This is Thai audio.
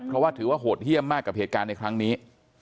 เพราะว่าถือว่าโหดเยี่ยมมากกับเหตุการณ์ในครั้งนี้